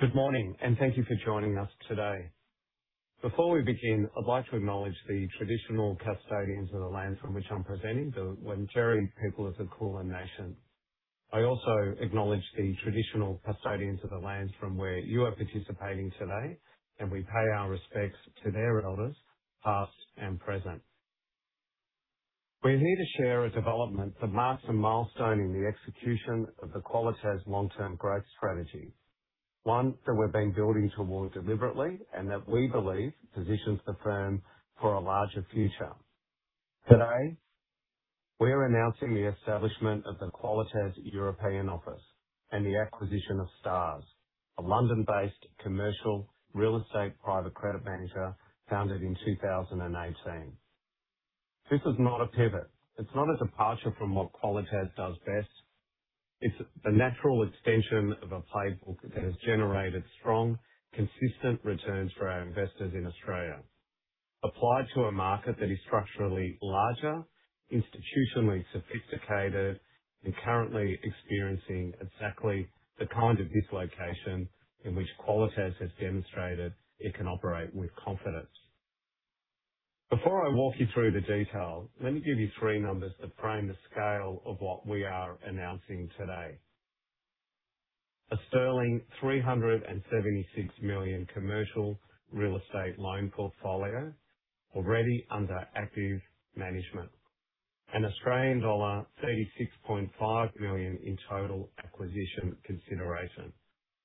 Good morning, and thank you for joining us today. Before we begin, I'd like to acknowledge the traditional custodians of the land from which I'm presenting, the Wurundjeri people of the Kulin nation. I also acknowledge the traditional custodians of the lands from where you are participating today, and we pay our respects to their elders, past and present. We're here to share a development that marks a milestone in the execution of the Qualitas long-term growth strategy, one that we've been building towards deliberately and that we believe positions the firm for a larger future. Today, we're announcing the establishment of the Qualitas European office and the acquisition of Starz, a London-based commercial real estate private credit manager founded in 2018. This is not a pivot. It's not a departure from what Qualitas does best. It's the natural extension of a playbook that has generated strong, consistent returns for our investors in Australia. Applied to a market that is structurally larger, institutionally sophisticated, and currently experiencing exactly the kind of dislocation in which Qualitas has demonstrated it can operate with confidence. Before I walk you through the detail, let me give you three numbers that frame the scale of what we are announcing today. A sterling 376 million commercial real estate loan portfolio already under active management. An Australian dollar 36.5 million in total acquisition consideration.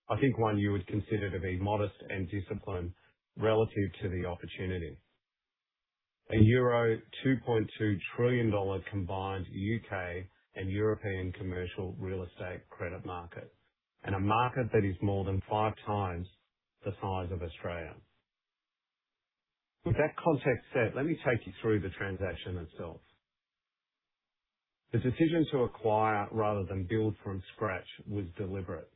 I think one you would consider to be modest and disciplined relative to the opportunity. A euro 2.2 trillion combined U.K. and European commercial real estate credit market, a market that is more than five times the size of Australia. With that context set, let me take you through the transaction itself. The decision to acquire rather than build from scratch was deliberate.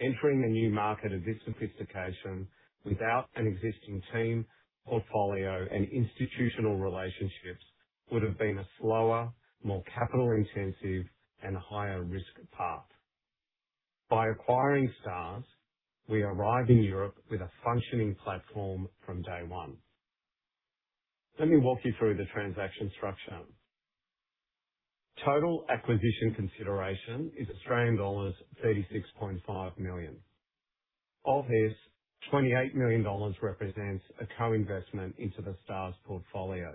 Entering a new market of this sophistication without an existing team, portfolio, and institutional relationships, would have been a slower, more capital-intensive, and higher risk path. By acquiring Stars, we arrive in Europe with a functioning platform from day one. Let me walk you through the transaction structure. Total acquisition consideration is Australian dollars 36.5 million. Of this, 28 million dollars represents a co-investment into the Stars portfolio.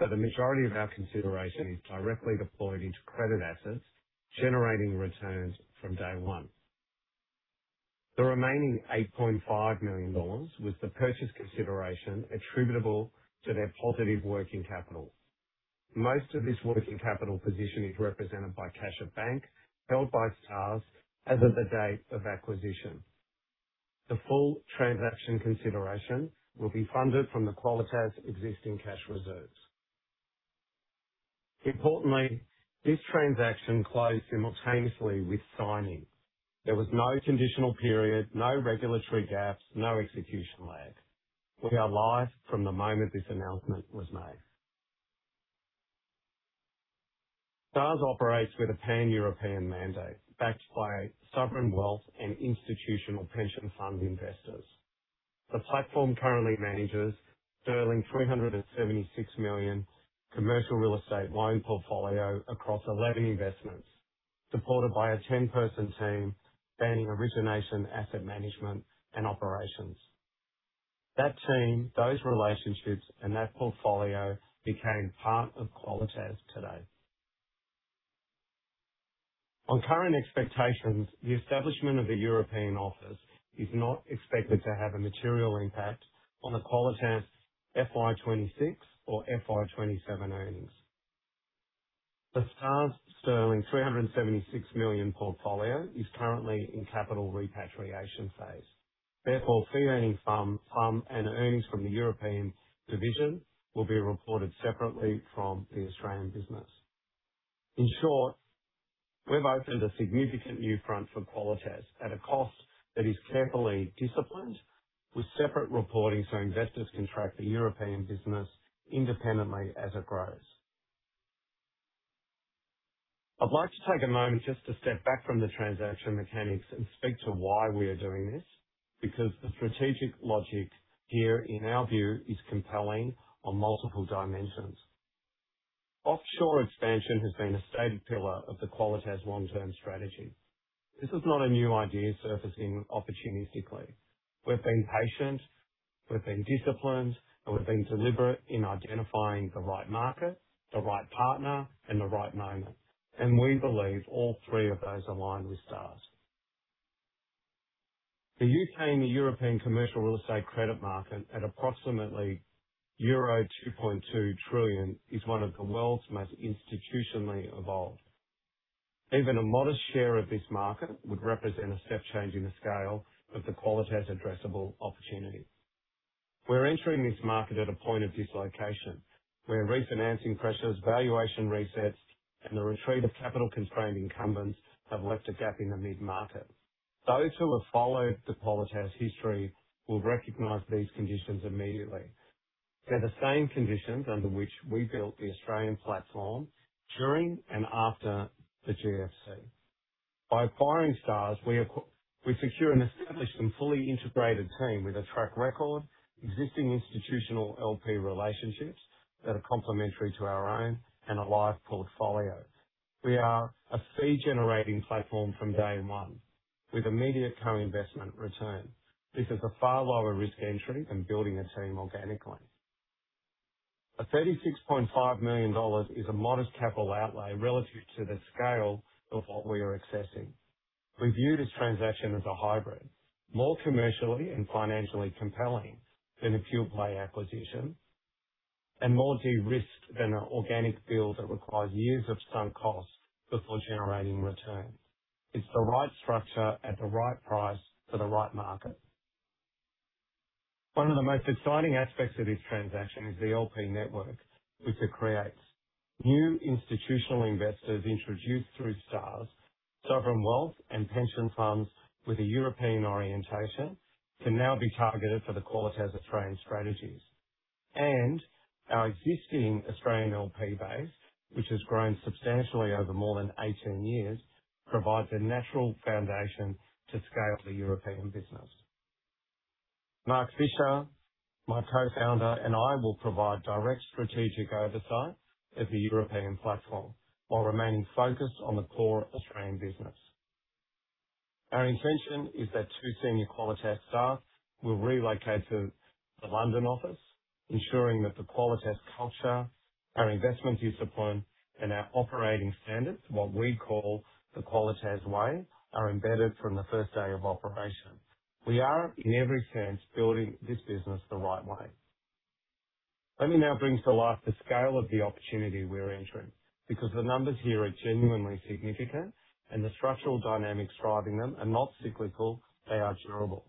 The majority of our consideration is directly deployed into credit assets, generating returns from day one. The remaining 8.5 million dollars was the purchase consideration attributable to their positive working capital. Most of this working capital position is represented by cash at bank held by Stars as of the date of acquisition. The full transaction consideration will be funded from the Qualitas existing cash reserves. Importantly, this transaction closed simultaneously with signing. There was no conditional period, no regulatory gaps, no execution lag. We are live from the moment this announcement was made. Stars operates with a pan-European mandate backed by sovereign wealth and institutional pension fund investors. The platform currently manages sterling 376 million commercial real estate loan portfolio across 11 investments, supported by a 10-person team spanning origination, asset management, and operations. That team, those relationships, and that portfolio became part of Qualitas today. On current expectations, the establishment of the European office is not expected to have a material impact on the Qualitas FY 2026 or FY 2027 earnings. The Stars sterling 376 million portfolio is currently in capital repatriation phase. Fee earning from, and earnings from the European division will be reported separately from the Australian business. In short, we've opened a significant new front for Qualitas at a cost that is carefully disciplined with separate reporting so investors can track the European business independently as it grows. I'd like to take a moment just to step back from the transaction mechanics and speak to why we are doing this, because the strategic logic here, in our view, is compelling on multiple dimensions. Offshore expansion has been a stated pillar of the Qualitas long-term strategy. This is not a new idea surfacing opportunistically. We've been patient, we've been disciplined, and we've been deliberate in identifying the right market, the right partner, and the right moment. We believe all three of those align with Starz. The U.K. and European commercial real estate credit market, at approximately euro 2.2 trillion, is one of the world's most institutionally evolved. Even a modest share of this market would represent a step change in the scale of the Qualitas addressable opportunity. We're entering this market at a point of dislocation where refinancing pressures, valuation resets, and the retreat of capital-constrained incumbents have left a gap in the mid-market. Those who have followed the Qualitas history will recognize these conditions immediately. They're the same conditions under which we built the Australian platform during and after the GFC. By acquiring Starz, we secure an established and fully integrated team with a track record, existing institutional LP relationships that are complementary to our own, and a live portfolio. We are a fee-generating platform from day one, with immediate co-investment return. This is a far lower risk entry than building a team organically. A 36.5 million dollars is a modest capital outlay relative to the scale of what we are accessing. We view this transaction as a hybrid, more commercially and financially compelling than a pure-play acquisition, and more de-risked than an organic build that requires years of sunk costs before generating returns. It's the right structure at the right price for the right market. One of the most exciting aspects of this transaction is the LP network, which it creates. New institutional investors introduced through Starz, sovereign wealth, and pension funds with a European orientation can now be targeted for the Qualitas Australian strategies. Our existing Australian LP base, which has grown substantially over more than 18 years, provides a natural foundation to scale the European business. Mark Fischer, my co-founder, and I will provide direct strategic oversight of the European platform while remaining focused on the core Australian business. Our intention is that two senior Qualitas staff will relocate to the London office, ensuring that the Qualitas culture, our investment discipline, and our operating standards, what we call the Qualitas way, are embedded from the first day of operation. We are, in every sense, building this business the right way. Let me now bring to life the scale of the opportunity we're entering, because the numbers here are genuinely significant, and the structural dynamics driving them are not cyclical, they are durable.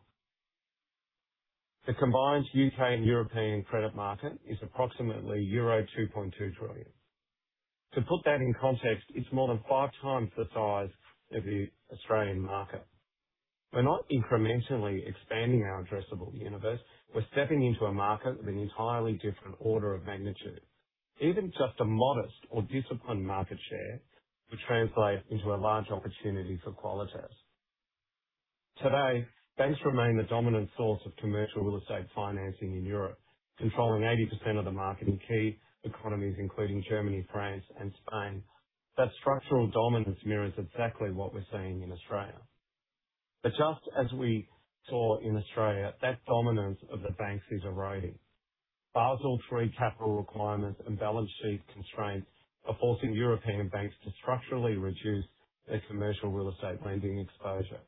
The combined U.K. and European credit market is approximately euro 2.2 trillion. To put that in context, it's more than five times the size of the Australian market. We're not incrementally expanding our addressable universe. We're stepping into a market of an entirely different order of magnitude. Even just a modest or disciplined market share would translate into a large opportunity for Qualitas. Today, banks remain the dominant source of commercial real estate financing in Europe, controlling 80% of the market in key economies including Germany, France, and Spain. That structural dominance mirrors exactly what we're seeing in Australia. Just as we saw in Australia, that dominance of the banks is eroding. Basel III capital requirements and balance sheet constraints are forcing European banks to structurally reduce their commercial real estate lending exposure.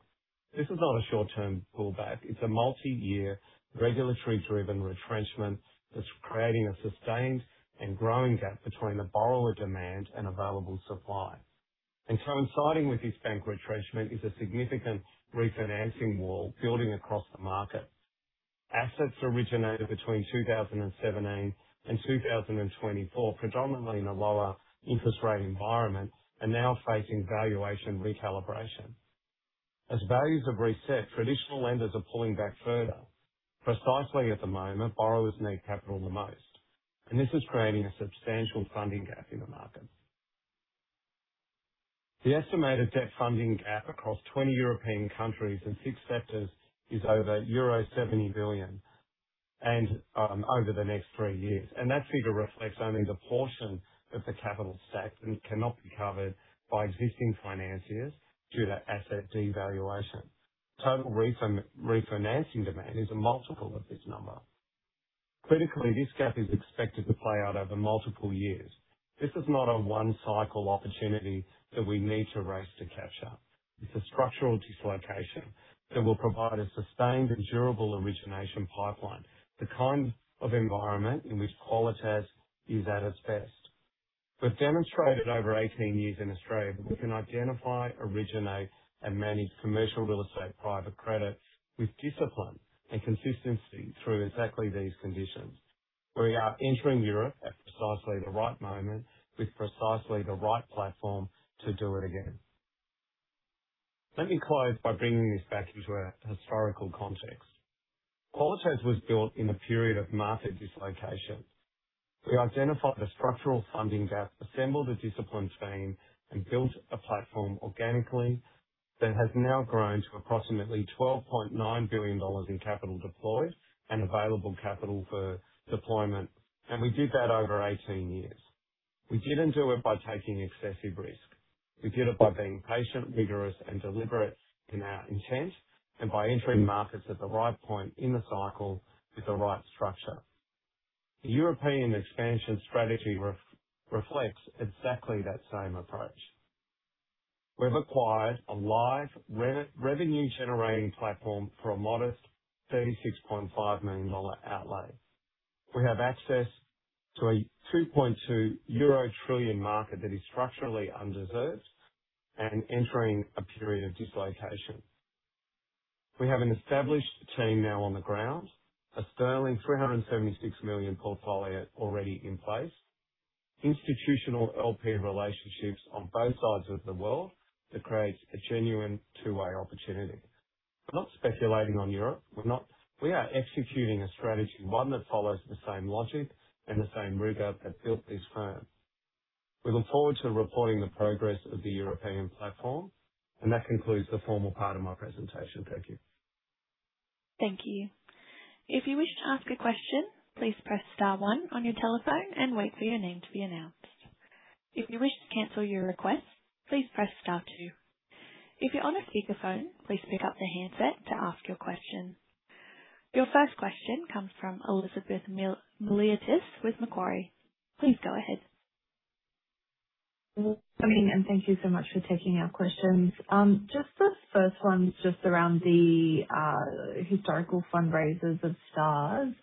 This is not a short-term pullback. It's a multi-year, regulatory-driven retrenchment that's creating a sustained and growing gap between the borrower demand and available supply. Coinciding with this bank retrenchment is a significant refinancing wall building across the market. Assets originated between 2017 and 2024, predominantly in a lower interest rate environment, are now facing valuation recalibration. As values have reset, traditional lenders are pulling back further. Precisely at the moment, borrowers need capital the most, and this is creating a substantial funding gap in the market. The estimated debt funding gap across 20 European countries and six sectors is over euro 70 billion and over the next three years. That figure reflects only the portion of the capital stack that cannot be covered by existing financiers due to asset devaluation. Total refinancing demand is a multiple of this number. Critically, this gap is expected to play out over multiple years. This is not a one-cycle opportunity that we need to race to catch up. It's a structural dislocation that will provide a sustained and durable origination pipeline, the kind of environment in which Qualitas is at its best. We've demonstrated over 18 years in Australia that we can identify, originate, and manage commercial real estate private credit with discipline and consistency through exactly these conditions. We are entering Europe at precisely the right moment with precisely the right platform to do it again. Let me close by bringing this back into a historical context. Qualitas was built in a period of market dislocation. We identified the structural funding gap, assembled a disciplined team, and built a platform organically that has now grown to approximately 12.9 billion dollars in capital deployed and available capital for deployment. We did that over 18 years. We didn't do it by taking excessive risk. We did it by being patient, rigorous, and deliberate in our intent and by entering markets at the right point in the cycle with the right structure. The European expansion strategy reflects exactly that same approach. We've acquired a live revenue-generating platform for a modest AUD 36.5 million outlay. We have access to a 2.2 trillion euro market that is structurally underserved and entering a period of dislocation. We have an established team now on the ground, a sterling 376 million portfolio already in place. Institutional LP relationships on both sides of the world that creates a genuine two-way opportunity. We're not speculating on Europe. We are executing a strategy, one that follows the same logic and the same rigor that built this firm. We look forward to reporting the progress of the European platform. That concludes the formal part of my presentation. Thank you. Thank you. If you wish to ask a question, please press star one on your telephone and wait for your name to be announced. If you wish to cancel your request, please press star two. If you're on a speakerphone, please pick up the handset to ask your question. Your first question comes from Elizabeth Miliatis with Macquarie. Please go ahead. Good morning, thank you so much for taking our questions. Just the first one, around the historical fundraisers of Starz.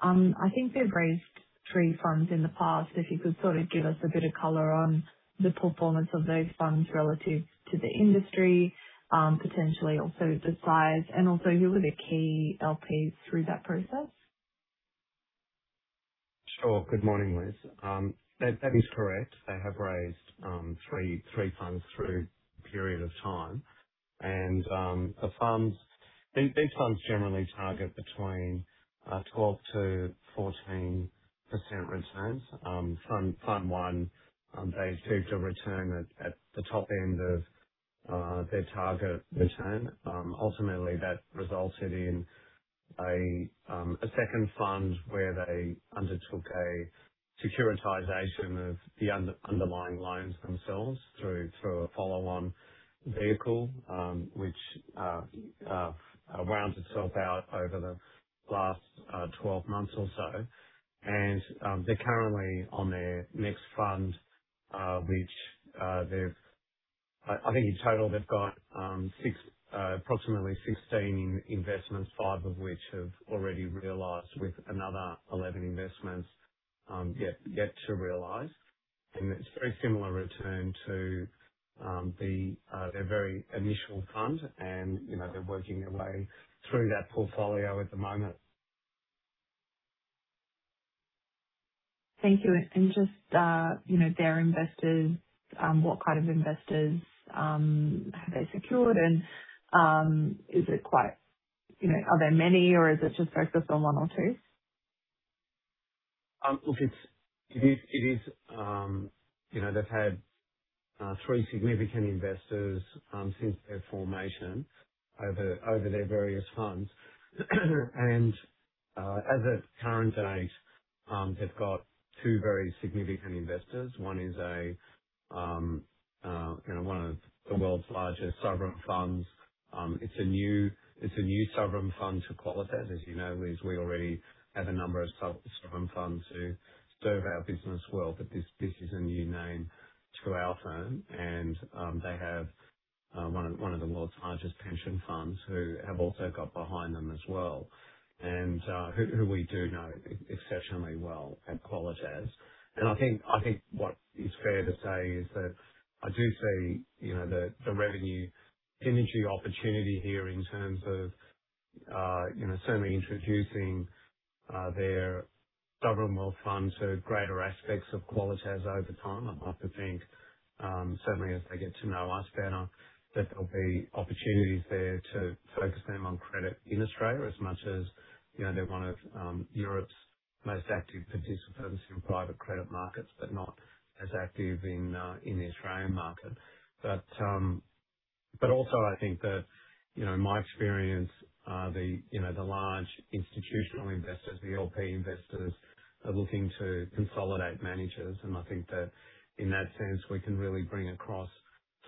I think they've raised three funds in the past. If you could give us a bit of color on the performance of those funds relative to the industry, potentially also the size, and also who were the key LPs through that process? Sure. Good morning, Liz. That is correct. They have raised three funds through a period of time. These funds generally target between 12%-14% returns. Fund one, they achieved a return at the top end of their target return. Ultimately, that resulted in a second fund where they undertook a securitization of the underlying loans themselves through a follow-on vehicle, which rounds itself out over the last 12 months or so. They're currently on their next fund. I think in total they've got approximately 16 investments, five of which have already realized, with another 11 investments yet to realize. It's very similar return to their very initial fund and they're working their way through that portfolio at the moment. Thank you. Just their investors, what kind of investors have they secured? Are there many, or is it just focused on one or two? Look, they've had three significant investors since their formation over their various funds. As of current date, they've got two very significant investors. One is one of the world's largest sovereign funds. It's a new sovereign fund to Qualitas. As you know, Liz, we already have a number of sovereign funds who serve our business well, but this is a new name to our firm, and they have one of the world's largest pension funds who have also got behind them as well, and who we do know exceptionally well at Qualitas. I think what is fair to say is that I do see the revenue synergy opportunity here in terms of certainly introducing their sovereign wealth fund to greater aspects of Qualitas over time. I'd like to think, certainly as they get to know us better, that there'll be opportunities there to focus them on credit in Australia as much as they're one of Europe's most active participants in private credit markets, but not as active in the Australian market. Also I think that in my experience, the large institutional investors, the LP investors, are looking to consolidate managers, and I think that in that sense, we can really bring across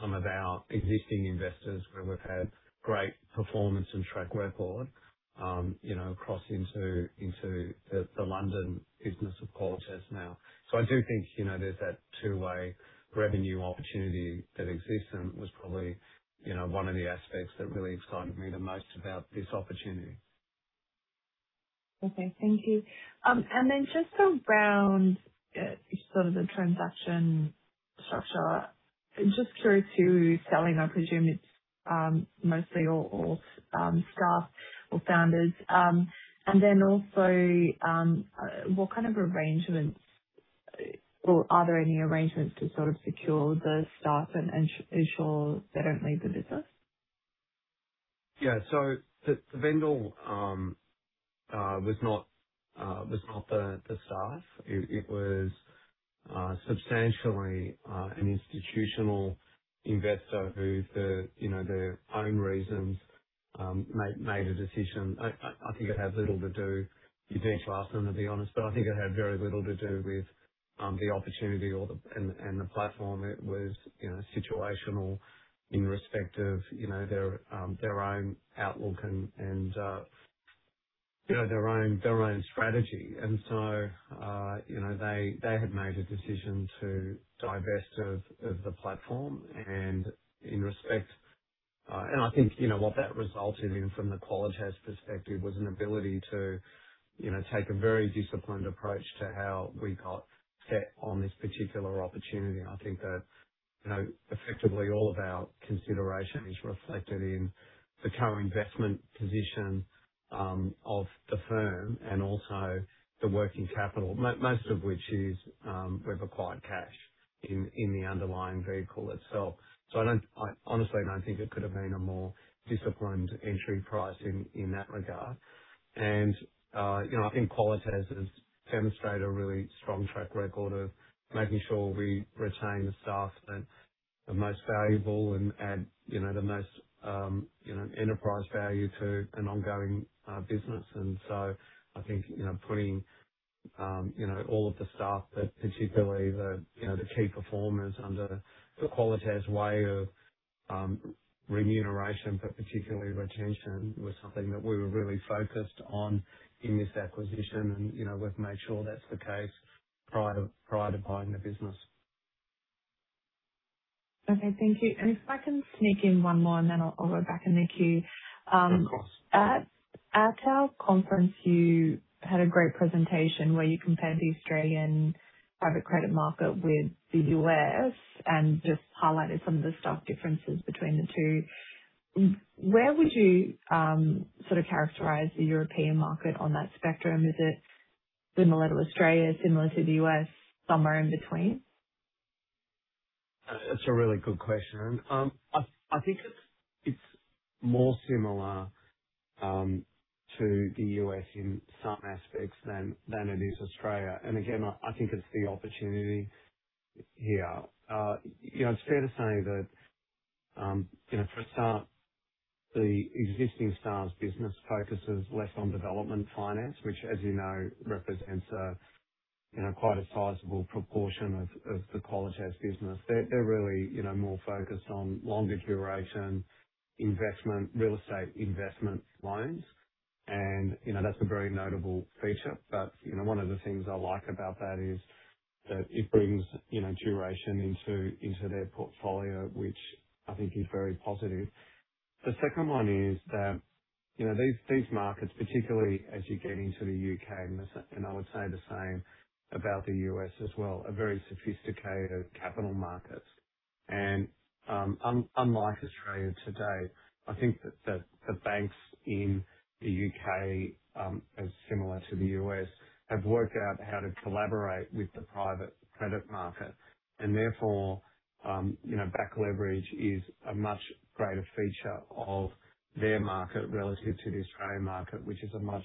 some of our existing investors where we've had great performance and track record across into the London business of Qualitas now. I do think there's that two-way revenue opportunity that exists and was probably one of the aspects that really excited me the most about this opportunity. Okay, thank you. Just around the transaction structure, just through to selling, I presume it's mostly all staff or founders. Also, what kind of arrangements or are there any arrangements to sort of secure the staff and ensure they don't leave the business? Yeah. The vendor was not the staff. It was substantially an institutional investor who, for their own reasons, made a decision. You'd need to ask them, to be honest, but I think it had very little to do with the opportunity and the platform. It was situational in respect of their own outlook and their own strategy. They had made a decision to divest of the platform. I think what that resulted in from the Qualitas perspective was an ability to take a very disciplined approach to how we got set on this particular opportunity. I think that Effectively, all of our consideration is reflected in the co-investment position of the firm and also the working capital, most of which is we've acquired cash in the underlying vehicle itself. I honestly don't think it could have been a more disciplined entry price in that regard. I think Qualitas has demonstrated a really strong track record of making sure we retain the staff that are most valuable and add the most enterprise value to an ongoing business. I think putting all of the staff, but particularly the key performers under the Qualitas way of remuneration, but particularly retention, was something that we were really focused on in this acquisition, and we've made sure that's the case prior to buying the business. Okay. Thank you. If I can sneak in one more, then I'll roll it back to Nicholas Yu. Of course. At our conference, you had a great presentation where you compared the Australian private credit market with the U.S. and just highlighted some of the stock differences between the two. Where would you characterize the European market on that spectrum? Is it similar to Australia, similar to the U.S., somewhere in between? That's a really good question. I think it's more similar to the U.S. in some aspects than it is Australia. Again, I think it's the opportunity here. It's fair to say that for a start, the existing Starz business focuses less on development finance, which as you know, represents quite a sizable proportion of the Qualitas business. They're really more focused on longer duration investment, real estate investment loans. That's a very notable feature. One of the things I like about that is that it brings duration into their portfolio, which I think is very positive. The second one is that these markets, particularly as you get into the U.K., I would say the same about the U.S. as well, are very sophisticated capital markets. Unlike Australia today, I think that the banks in the U.K., as similar to the U.S., have worked out how to collaborate with the private credit market and therefore back leverage is a much greater feature of their market relative to the Australian market, which is a much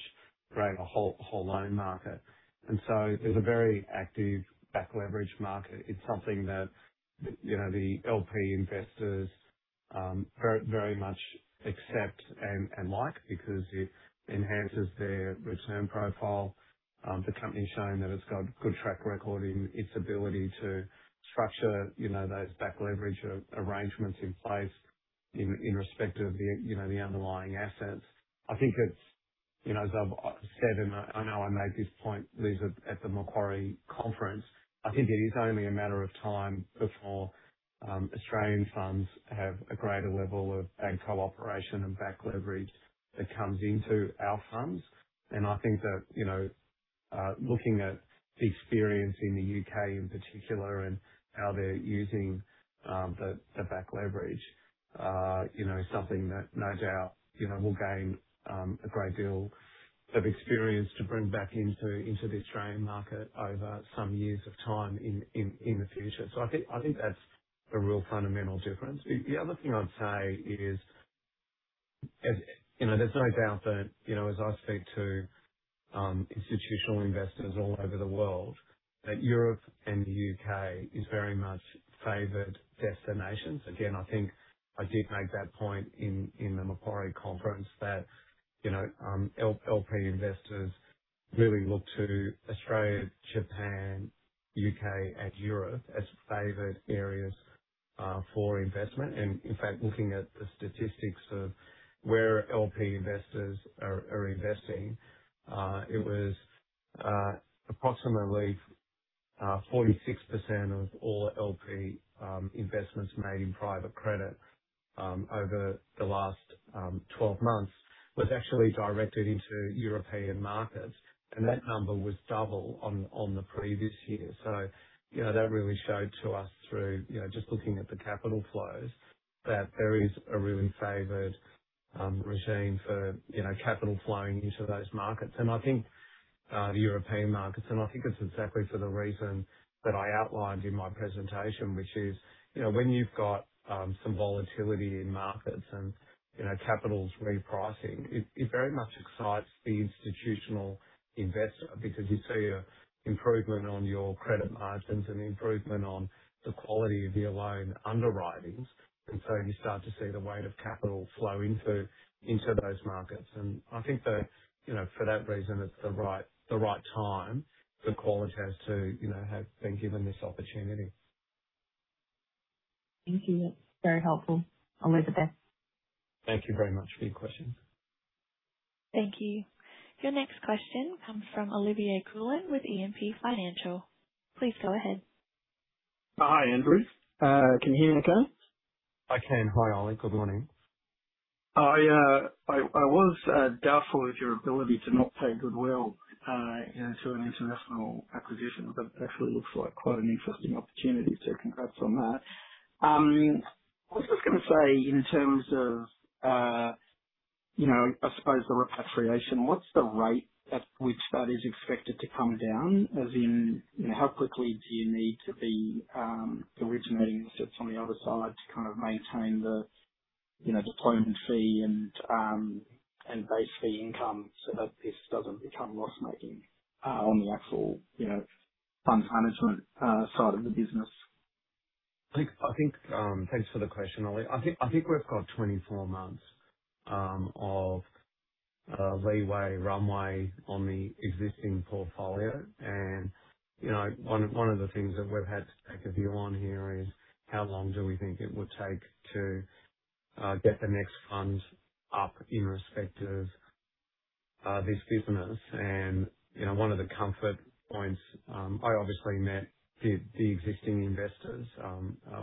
greater whole loan market. There's a very active back leverage market. It's something that the LP investors very much accept and like because it enhances their return profile. The company's shown that it's got good track record in its ability to structure those back leverage arrangements in place in respect of the underlying assets. As I've said, I know I made this point, Lisa, at the Macquarie conference, I think it is only a matter of time before Australian funds have a greater level of bank cooperation and back leverage that comes into our funds. I think that looking at the experience in the U.K. in particular and how they're using the back leverage is something that no doubt will gain a great deal of experience to bring back into the Australian market over some years of time in the future. I think that's a real fundamental difference. The other thing I'd say is there's no doubt that as I speak to institutional investors all over the world, that Europe and the U.K. is very much favored destinations. Again, I think I did make that point in the Macquarie conference that LP investors really look to Australia, Japan, U.K. and Europe as favored areas for investment. Looking at the statistics of where LP investors are investing, it was approximately 46% of all LP investments made in private credit over the last 12 months was actually directed into European markets, and that number was double on the previous year. That really showed to us through just looking at the capital flows, that there is a really favored regime for capital flowing into those markets. I think the European markets, I think it's exactly for the reason that I outlined in my presentation, which is when you've got some volatility in markets and capitals repricing, it very much excites the institutional investor because you see an improvement on your credit margins and improvement on the quality of your loan underwritings. You start to see the weight of capital flow into those markets. I think that for that reason, it's the right time for Qualitas to have been given this opportunity. Thank you. That's very helpful. Elizabeth. Thank you very much for your question. Thank you. Your next question comes from Olivier Coulon with E&P Financial. Please go ahead. Hi, Andrew. Can you hear me, okay? I can. Hi, Ollie. Good morning. I was doubtful of your ability to not pay goodwill into an international acquisition. It actually looks like quite an interesting opportunity, congrats on that. I was just going to say, in terms of, I suppose, the repatriation, what's the rate at which that is expected to come down? As in, how quickly do you need to be originating assets on the other side to kind of maintain the deployment fee and base fee income so that this doesn't become loss-making on the actual fund management side of the business? Thanks for the question, Ollie. I think we've got 24 months of leeway, runway on the existing portfolio. One of the things that we've had to take a view on here is how long do we think it would take to get the next funds up in respect of this business. One of the comfort points, I obviously met the existing investors,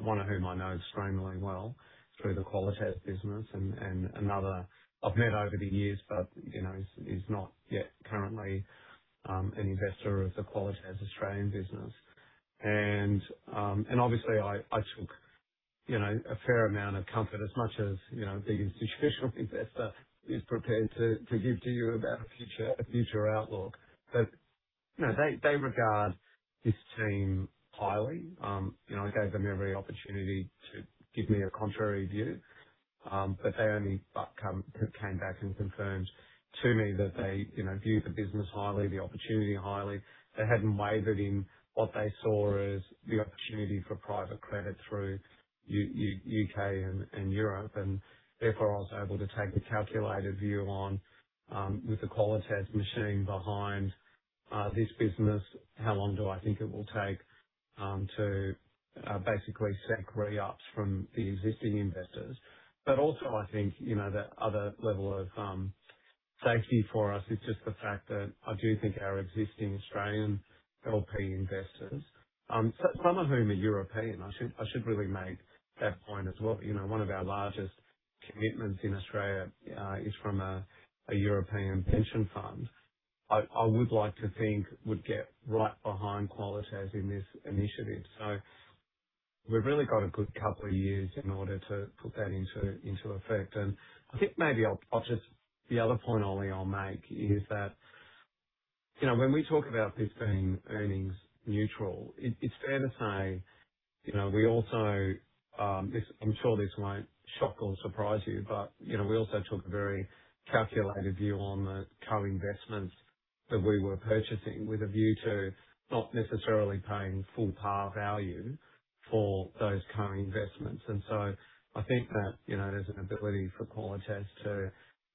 one of whom I know extremely well through the Qualitas business and another I've met over the years, but is not yet currently an investor of the Qualitas Australian business. Obviously I took a fair amount of comfort as much as the institutional investor is prepared to give to you about a future outlook. They regard this team highly. I gave them every opportunity to give me a contrary view, they only came back and confirmed to me that they view the business highly, the opportunity highly. They hadn't wavered in what they saw as the opportunity for private credit through U.K. and Europe, therefore, I was able to take the calculated view on, with the Qualitas machine behind this business, how long do I think it will take to basically stack re-ups from the existing investors. Also, I think, that other level of safety for us is just the fact that I do think our existing Australian LP investors, some of whom are European, I should really make that point as well. One of our largest commitments in Australia is from a European pension fund. I would like to think would get right behind Qualitas in this initiative. We've really got a good couple of years in order to put that into effect. I think maybe I'll just The other point, Ollie, I'll make is that, when we talk about this being earnings neutral, it's fair to say, we also, I'm sure this won't shock or surprise you, we also took a very calculated view on the co-investments that we were purchasing with a view to not necessarily paying full par value for those co-investments. I think that, there's an ability for Qualitas to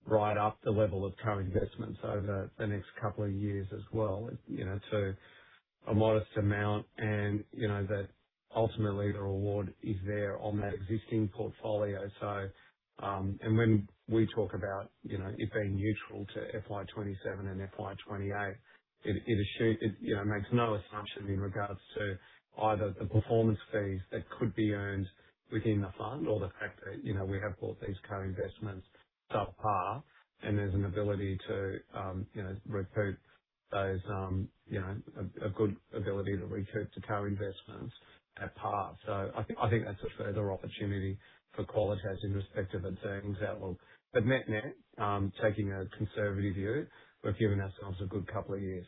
write up the level of co-investments over the next couple of years as well, to a modest amount, that ultimately the reward is there on that existing portfolio. When we talk about it being neutral to FY 2027 and FY 2028, it makes no assumption in regards to either the performance fees that could be earned within the fund or the fact that we have bought these co-investments sub par and there's an ability to recoup those, a good ability to recoup the co-investments at par. I think that's a further opportunity for Qualitas in respect of its earnings outlook. Net-net, taking a conservative view, we've given ourselves a good couple of years.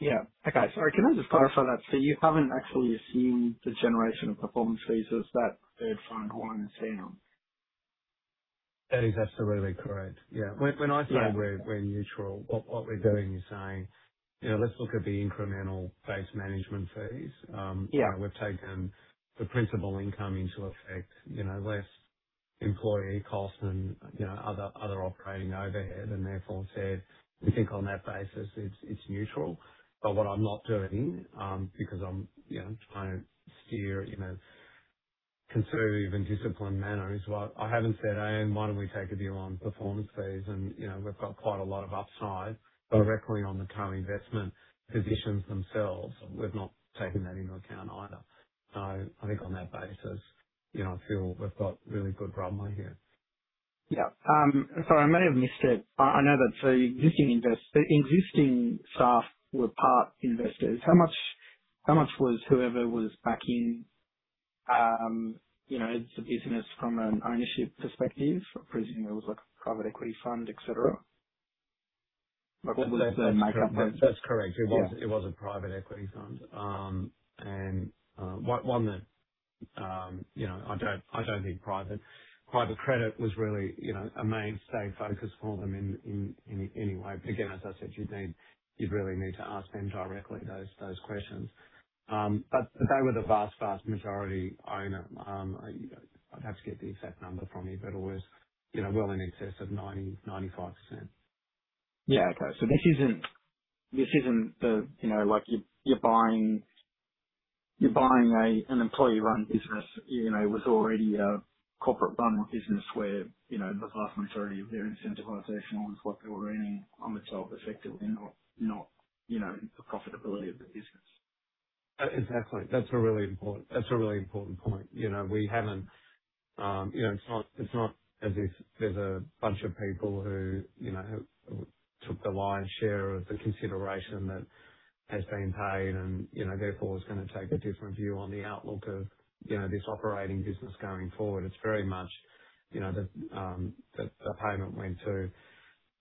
Yeah. Okay. Sorry, can I just clarify that? You haven't actually assumed the generation of performance fees as that third fund once found? That is absolutely correct. Yeah. When I say we're neutral, what we're doing is saying, "Let's look at the incremental base management fees. Yeah. We've taken the principal income into effect, less employee costs and other operating overhead, and therefore said, we think on that basis it's neutral. What I'm not doing, because I'm trying to steer a conservative and disciplined manner, is I haven't said, "Hey, why don't we take a view on performance fees?" We've got quite a lot of upside directly on the co-investment positions themselves. We've not taken that into account either. I think on that basis, I feel we've got really good runway here. Yeah. Sorry, I may have missed it. I know that the existing staff were part investors. How much was whoever was back in, the business from an ownership perspective, presuming it was like a private equity fund, et cetera? What would their makeup be? That's correct. It was a private equity fund. One that I don't need private. Private credit was really a mainstay focus for them in any way. Again, as I said, you'd really need to ask them directly those questions. They were the vast majority owner. I'd have to get the exact number from you, but it was well in excess of 95%. Yeah, okay. This isn't like you're buying an employee-run business. It was already a corporate-run business where the vast majority of their incentivization was what they were earning on the top, effectively not the profitability of the business. Exactly. That's a really important point. It's not as if there's a bunch of people who took the lion's share of the consideration that has been paid and therefore is going to take a different view on the outlook of this operating business going forward. It's very much, the payment went to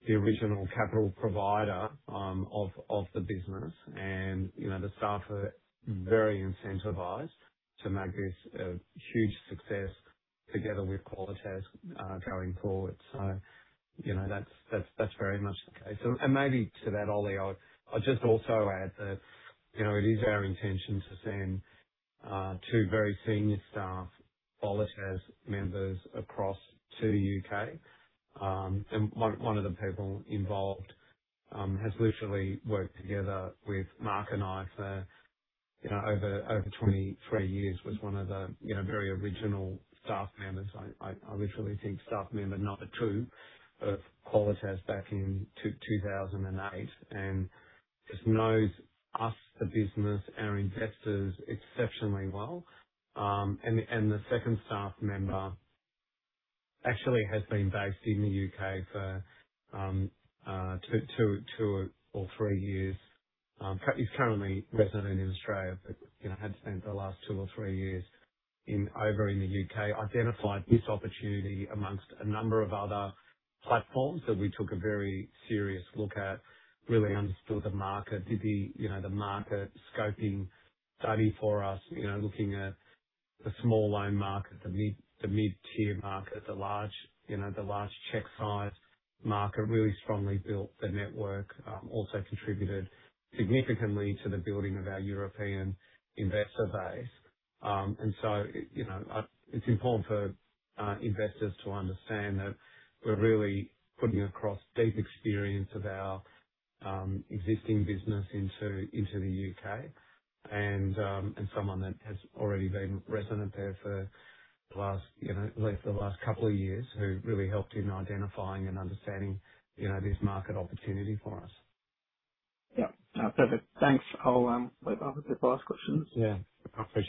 the original capital provider of the business, and the staff are very incentivized to make this a huge success together with Qualitas, going forward. That's very much the case. Maybe to that, Ollie, I'll just also add that it is our intention to send two very senior staff, Qualitas members across to the U.K. One of the people involved has literally worked together with Mark and I for over 23 years, was one of the very original staff members. I literally think staff member number 2 of Qualitas back in 2008, just knows us, the business, our investors exceptionally well. The second staff member actually has been based in the U.K. for two or three years. He's currently resident in Australia, but had spent the last two or three years over in the U.K., identified this opportunity amongst a number of other platforms that we took a very serious look at, really understood the market, did the market scoping study for us, looking at the small loan market, the mid-tier market, the large check size market, really strongly built the network. Also contributed significantly to the building of our European investor base. It's important for investors to understand that we're really putting across deep experience of our existing business into the U.K., and someone that has already been resident there at least for the last couple of years, who really helped in identifying and understanding this market opportunity for us. Yeah. Perfect. Thanks. I'll leave over to the last questions. Yeah. Perfect.